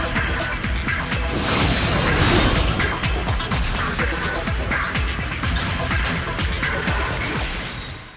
jangan kabur kamu silman musuh